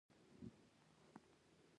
زما او د ملک صاحب سودا سره جوړیږي.